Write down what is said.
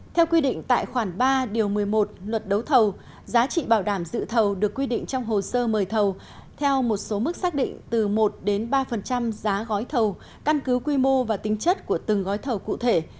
theo quy định tại khoản ba điều một mươi một luật đấu thầu giá trị bảo đảm dự thầu được quy định trong hồ sơ mời thầu theo một số mức xác định từ một đến ba giá gói thầu căn cứ quy mô và tính chất của từng gói thầu cụ thể